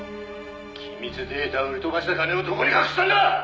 「機密データを売り飛ばした金をどこに隠したんだ！」